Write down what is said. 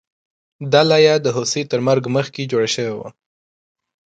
دا لایه د هوسۍ تر مرګ مخکې جوړه شوې وه